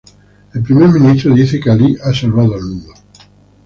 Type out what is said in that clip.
El primer ministro dice que Ali ha salvado al mundo.